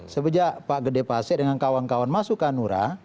sebejak pak gede pasek dengan kawan kawan masuk ke hanura